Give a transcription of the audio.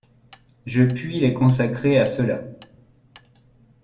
Je puis les consacrer à cela.